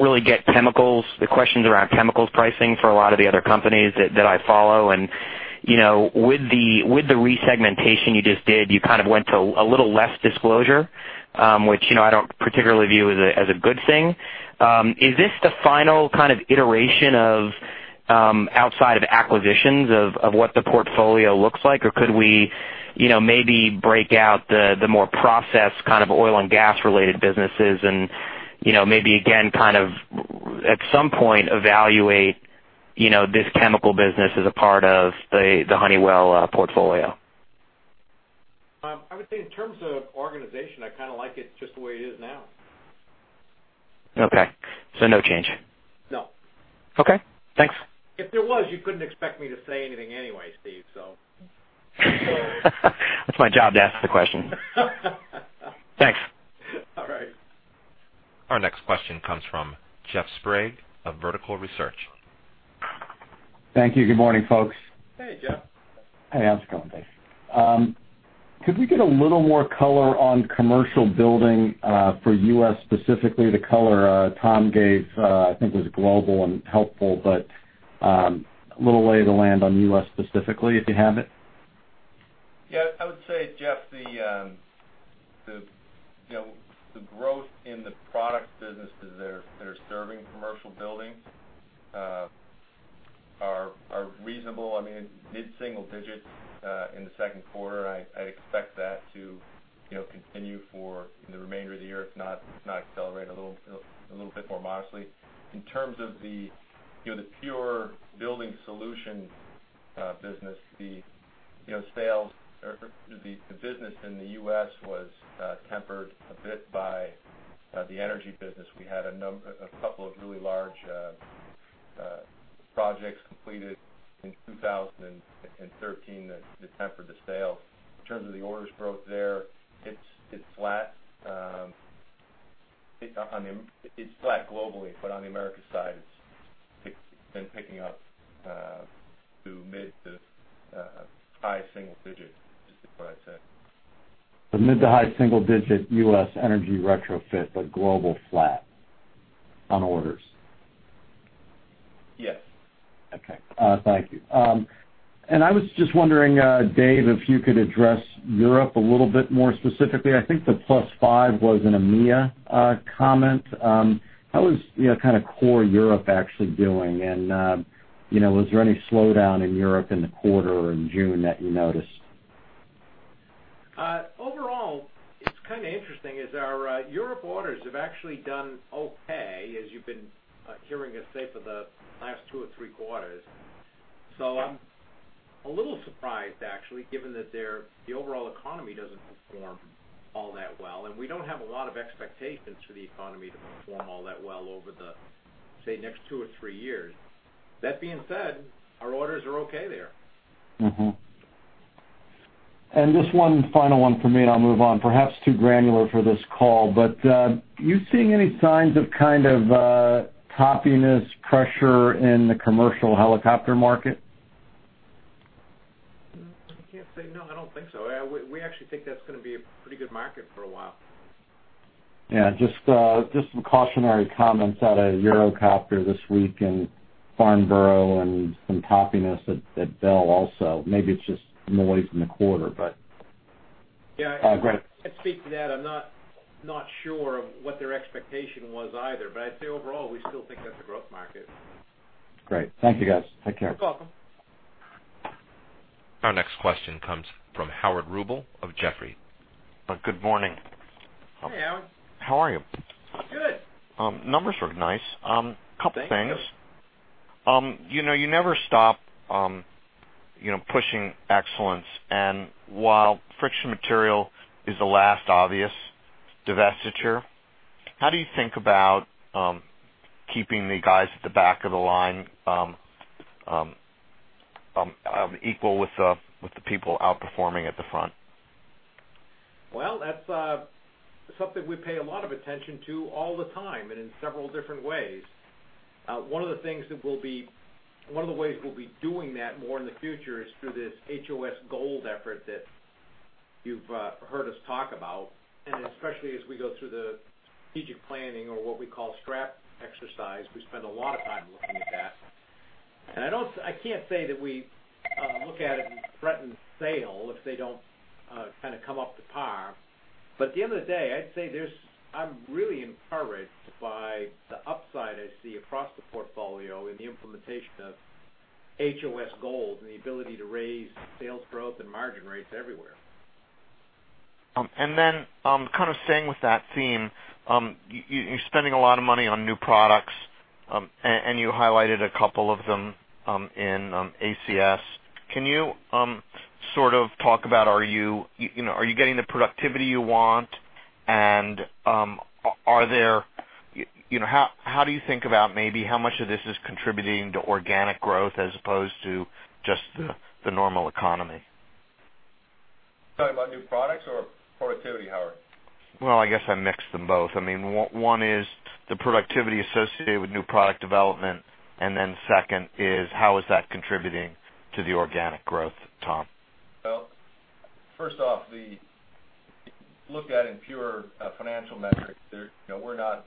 really get the questions around chemicals pricing for a lot of the other companies that I follow. With the resegmentation you just did, you kind of went to a little less disclosure, which I don't particularly view as a good thing. Is this the final kind of iteration of, outside of acquisitions, of what the portfolio looks like? Could we maybe break out the more processed kind of oil and gas related businesses and maybe again, kind of at some point evaluate this chemical business as a part of the Honeywell portfolio? I would say in terms of organization, I kind of like it just the way it is now. Okay, no change? No. Okay. Thanks. If there was, you couldn't expect me to say anything anyway, Steve. That's my job, to ask the questions. Thanks. All right. Our next question comes from Jeff Sprague of Vertical Research. Thank you. Good morning, folks. Hey, Jeff. Hey, how's it going, Dave? Could we get a little more color on commercial building for U.S. specifically? The color Tom gave, I think was global and helpful, but a little lay of the land on U.S. specifically, if you have it. Yeah. I would say, Jeff, the growth in the products businesses that are serving commercial buildings are reasonable. Mid-single digits in the second quarter. I expect that to continue for the remainder of the year, if not accelerate a little bit more modestly. In terms of the pure building solution business, the business in the U.S. was tempered a bit by the energy business. We had a couple of really large projects completed in 2013 that tempered the sale. In terms of the orders growth there, it's flat globally, but on the America side, it's been picking up through mid to high single digit, is what I'd say. Mid to high single digit U.S. energy retrofit, but global flat on orders. Yes. Okay. Thank you. I was just wondering, Dave, if you could address Europe a little bit more specifically. I think the +5 was an EMEIA comment. How is core Europe actually doing, and was there any slowdown in Europe in the quarter or in June that you noticed? Overall, it's kind of interesting, is our Europe orders have actually done okay, as you've been hearing us say for the last 2 or 3 quarters. I'm a little surprised, actually, given that the overall economy doesn't perform all that well, and we don't have a lot of expectations for the economy to perform all that well over the, say, next 2 or 3 years. That being said, our orders are okay there. And just 1 final one from me, and I'll move on. Perhaps too granular for this call, but are you seeing any signs of toppiness pressure in the commercial helicopter market? I can't say no. I don't think so. We actually think that's going to be a pretty good market for a while. Yeah, just some cautionary comments out of Eurocopter this week and Farnborough and some toppiness at Bell also. Maybe it's just noise in the quarter. Yeah. Great. I can't speak to that. I'm not sure of what their expectation was either. I'd say overall, we still think that's a growth market. Great. Thank you, guys. Take care. You're welcome. Our next question comes from Howard Rubel of Jefferies. Good morning. Hey, Howard. How are you? Good. Numbers are nice. Thank you. Couple things. You never stop pushing excellence, while Friction Materials is the last obvious divestiture, how do you think about keeping the guys at the back of the line equal with the people outperforming at the front? Well, that's something we pay a lot of attention to all the time and in several different ways. One of the ways we'll be doing that more in the future is through this HOS Gold effort that you've heard us talk about. Especially as we go through the strategic planning or what we call strap exercise, we spend a lot of time looking at that. I can't say that we look at it and threaten sale if they don't come up to par. At the end of the day, I'd say I'm really encouraged by the upside I see across the portfolio in the implementation of HOS Gold and the ability to raise sales growth and margin rates everywhere. Staying with that theme, you're spending a lot of money on new products, and you highlighted a couple of them in ACS. Can you sort of talk about are you getting the productivity you want? How do you think about maybe how much of this is contributing to organic growth as opposed to just the normal economy? You're talking about new products or productivity, Howard? Well, I guess I mixed them both. One is the productivity associated with new product development, second is how is that contributing to the organic growth, Tom? Well, first off, if you look at in pure financial metrics, we're not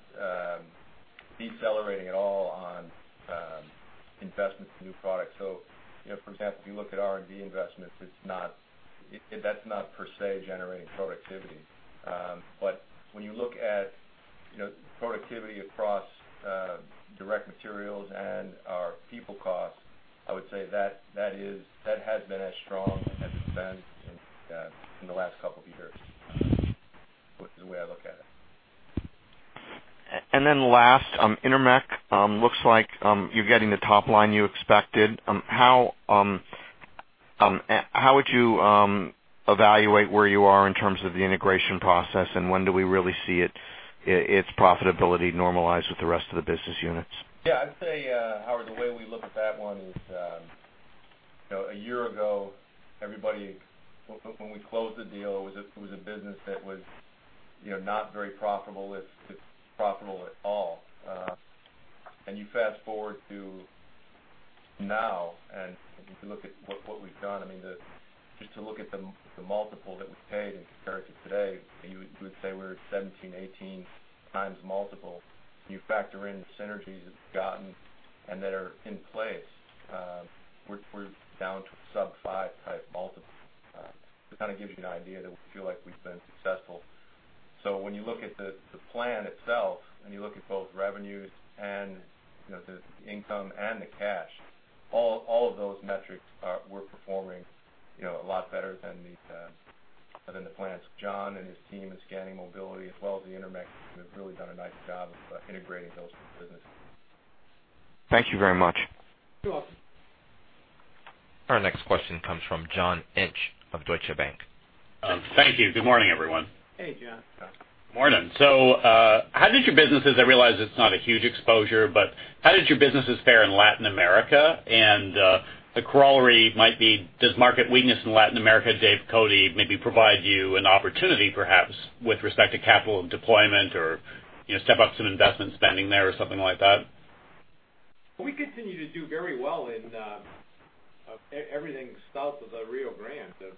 decelerating at all on investments in new products. For example, if you look at R&D investments, that's not per se generating productivity. When you look at productivity across direct materials and our people costs, I would say that has been as strong as it's been in the last couple of years, is the way I look at it. Last, Intermec looks like you're getting the top line you expected. How would you evaluate where you are in terms of the integration process, and when do we really see its profitability normalize with the rest of the business units? I'd say, Howard, the way we look at that one is, one year ago, everybody, when we closed the deal, it was a business that was not very profitable, if profitable at all. You fast-forward to now, if you look at what we've done, just to look at the multiple that was paid compared to today, you would say we're at 17, 18 times multiple. You factor in the synergies it's gotten and that are in place, we're down to sub 5 type multiple. It kind of gives you an idea that we feel like we've been successful. When you look at the plan itself and you look at both revenues and the income and the cash, all of those metrics were performing a lot better than the plans. John and his team in Scanning & Mobility as well as the Intermec have really done a nice job of integrating those two businesses. Thank you very much. You're welcome. Our next question comes from John Inch of Deutsche Bank. Thank you. Good morning, everyone. Hey, John. Morning. How did your businesses, I realize it's not a huge exposure, but how did your businesses fare in Latin America? The corollary might be, does market weakness in Latin America, Dave Cote, maybe provide you an opportunity perhaps with respect to capital deployment or step up some investment spending there or something like that? We continue to do very well in everything south of the Rio Grande.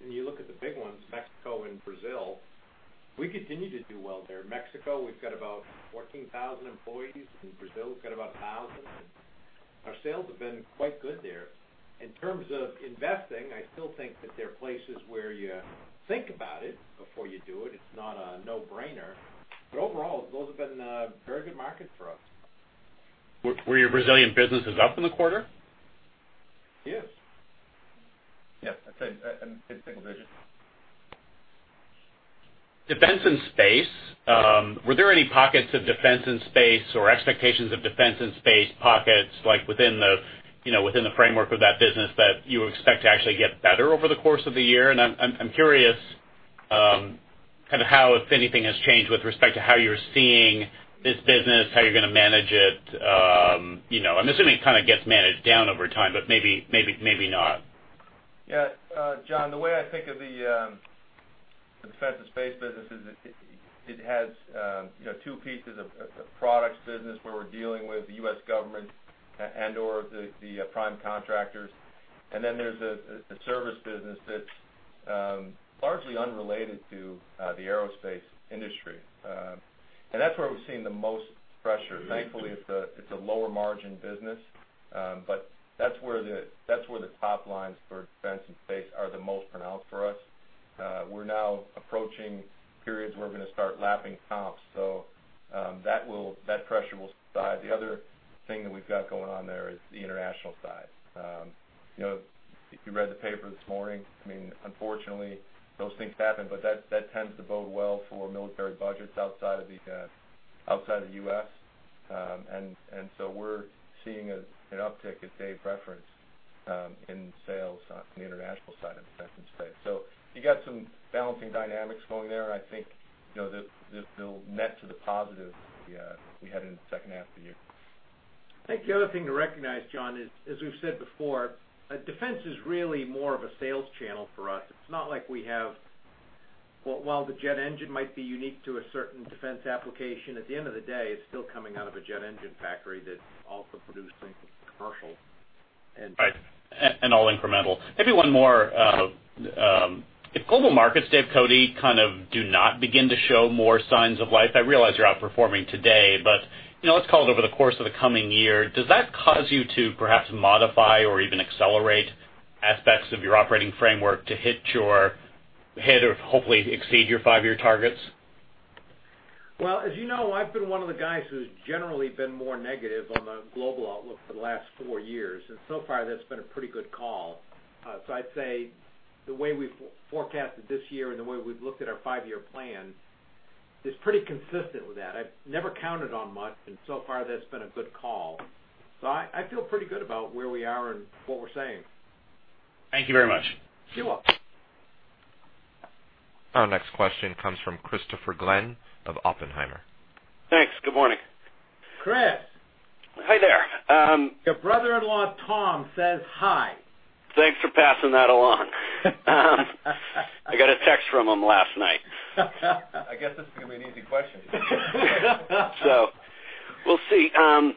When you look at the big ones, Mexico and Brazil, we continue to do well there. Mexico, we've got about 14,000 employees. In Brazil, we've got about 1,000. Our sales have been quite good there. In terms of investing, I still think that there are places where you think about it before you do it. It's not a no-brainer. Overall, those have been very good markets for us. Were your Brazilian businesses up in the quarter? Yes. Yes, I'd say, I'm getting vision. Defense and Space. Were there any pockets of Defense and Space or expectations of Defense and Space pockets within the framework of that business that you expect to actually get better over the course of the year? I'm curious, kind of how, if anything, has changed with respect to how you're seeing this business, how you're going to manage it. I'm assuming it kind of gets managed down over time, but maybe not. Yeah. John, the way I think of the Defense and Space business is it has two pieces, a products business where we're dealing with the U.S. government and/or the prime contractors. Then there's a service business that's largely unrelated to the aerospace industry. That's where we've seen the most pressure. Thankfully, it's a lower margin business. That's where the top lines for Defense and Space are the most pronounced for us. We're now approaching periods where we're going to start lapping comps. That pressure will subside. The other thing that we've got going on there is the international side. If you read the paper this morning, unfortunately, those things happen, but that tends to bode well for military budgets outside of the U.S. We're seeing an uptick, as Dave referenced, in sales on the international side of Defense and Space. You got some balancing dynamics going there, and I think they'll net to the positive as we head into the second half of the year. I think the other thing to recognize, John, is, as we've said before, Defense is really more of a sales channel for us. It's not like we have-- While the jet engine might be unique to a certain defense application, at the end of the day, it's still coming out of a jet engine factory that also produces things for commercial engines. Right. All incremental. Maybe one more. If global markets, Dave Cote, kind of do not begin to show more signs of life, I realize you're outperforming today, but let's call it over the course of the coming year, does that cause you to perhaps modify or even accelerate aspects of your operating framework to hit or hopefully exceed your five-year targets? Well, as you know, I've been one of the guys who's generally been more negative on the global outlook for the last four years, so far, that's been a pretty good call. I'd say the way we've forecasted this year and the way we've looked at our five-year plan is pretty consistent with that. I've never counted on much, so far, that's been a good call. I feel pretty good about where we are and what we're saying. Thank you very much. You're welcome. Our next question comes from Christopher Glynn of Oppenheimer. Thanks. Good morning. Chris. Hi there. Your brother-in-law, Tom, says hi. Thanks for passing that along. I got a text from him last night. I guess this is going to be an easy question. We'll see. I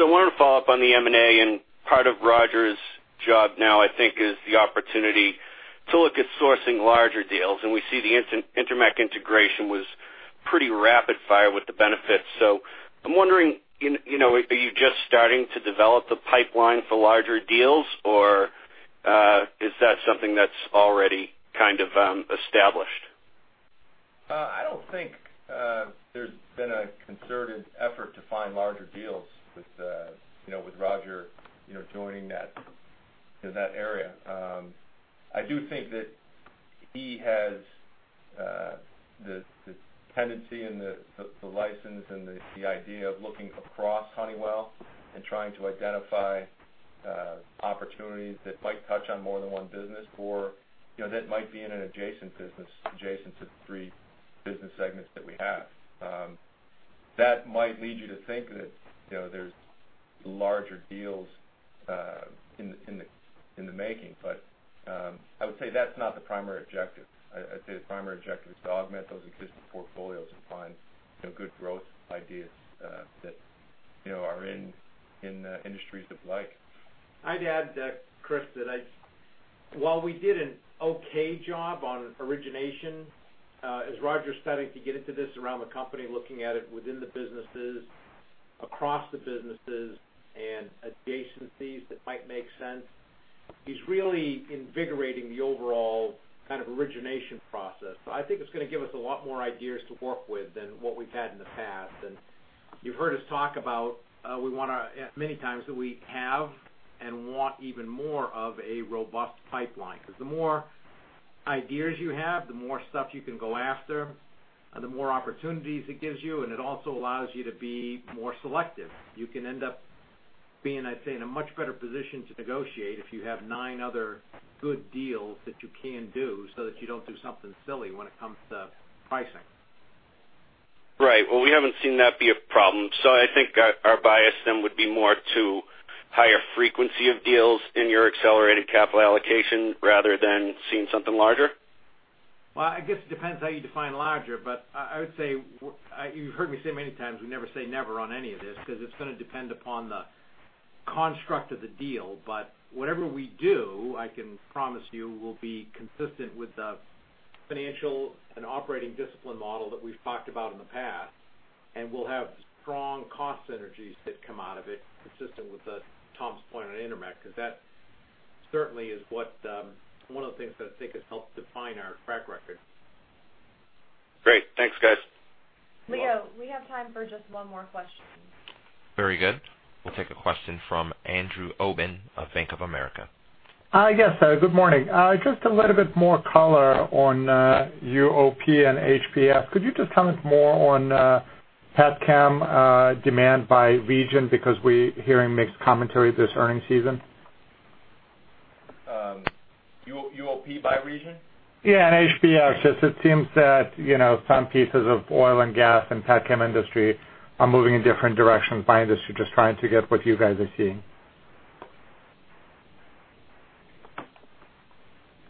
want to follow up on the M&A, and part of Roger's job now, I think, is the opportunity to look at sourcing larger deals, and we see the Intermec integration was pretty rapid fire with the benefits. I'm wondering, are you just starting to develop the pipeline for larger deals, or is that something that's already kind of established? I don't think there's been a concerted effort to find larger deals with Roger joining that area. I do think that He has the tendency and the license and the idea of looking across Honeywell and trying to identify opportunities that might touch on more than one business, or that might be in an adjacent business, adjacent to the three business segments that we have. That might lead you to think that there's larger deals in the making. I would say that's not the primary objective. I'd say the primary objective is to augment those existing portfolios and find good growth ideas that are in industries of like. I'd add, Chris, that while we did an okay job on origination, as Roger's starting to get into this around the company, looking at it within the businesses, across the businesses, and adjacencies that might make sense, he's really invigorating the overall kind of origination process. I think it's going to give us a lot more ideas to work with than what we've had in the past. You've heard us talk about many times, that we have and want even more of a robust pipeline. The more ideas you have, the more stuff you can go after and the more opportunities it gives you, and it also allows you to be more selective. You can end up being, I'd say, in a much better position to negotiate if you have nine other good deals that you can do, so that you don't do something silly when it comes to pricing. Right. Well, we haven't seen that be a problem. I think our bias then would be more to higher frequency of deals in your accelerated capital allocation rather than seeing something larger. Well, I guess it depends how you define larger, but I would say, you've heard me say many times, we never say never on any of this, it's going to depend upon the construct of the deal. Whatever we do, I can promise you, will be consistent with the financial and operating discipline model that we've talked about in the past, and will have strong cost synergies that come out of it, consistent with Tom's point on Intermec, that certainly is one of the things that I think has helped define our track record. Great. Thanks, guys. Leo, we have time for just one more question. Very good. We'll take a question from Andrew Obin of Bank of America. Yes, good morning. Just a little bit more color on UOP and HPS. Could you just comment more on petchem demand by region? We're hearing mixed commentary this earnings season. UOP by region? Yeah, HPS. Just it seems that some pieces of oil and gas and petchem industry are moving in different directions by industry. Just trying to get what you guys are seeing.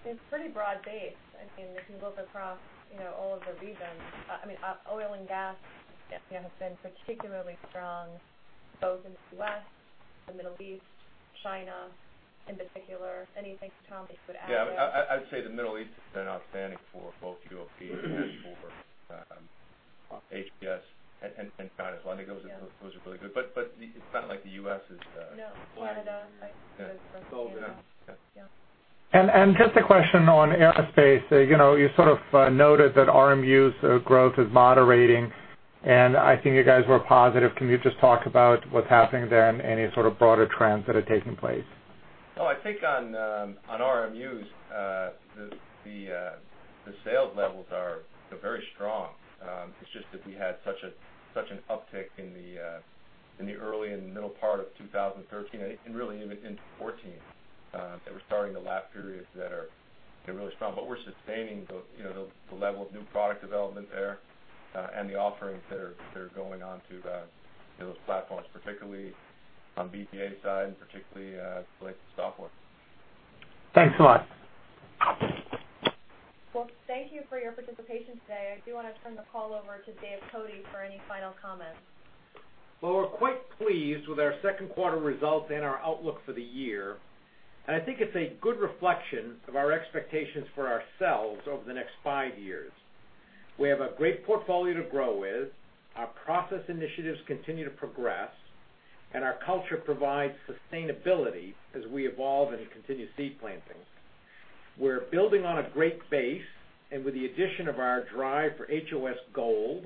It's pretty broad-based. If you look across all of the regions. Oil and gas has been particularly strong, both in the West, the Middle East, China in particular. Anything, Tom, that you could add there? Yeah, I'd say the Middle East has been outstanding for both UOP and for HPS, China as well. I think those are really good. No. Canada, I suppose. Just a question on Aerospace. You sort of noted that RMU's growth is moderating, and I think you guys were positive. Can you just talk about what's happening there and any sort of broader trends that are taking place? I think on RMUs, the sales levels are very strong. It's just that we had such an uptick in the early and middle part of 2013, and really even into 2014, that we're starting to lap periods that are really strong. We're sustaining the level of new product development there, and the offerings that are going onto those platforms, particularly on BPA side, and particularly related to software. Thanks a lot. Well, thank you for your participation today. I do want to turn the call over to Dave Cote for any final comments. Well, we're quite pleased with our second quarter results and our outlook for the year, and I think it's a good reflection of our expectations for ourselves over the next five years. We have a great portfolio to grow with. Our process initiatives continue to progress, and our culture provides sustainability as we evolve and continue seed planting. We're building on a great base, and with the addition of our drive for HOS Gold,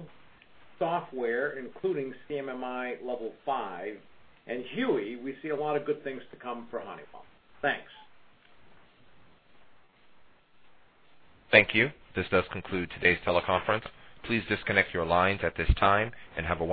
software, including CMMI Level 5, and HUE, we see a lot of good things to come for Honeywell. Thanks. Thank you. This does conclude today's teleconference. Please disconnect your lines at this time, and have a wonderful day.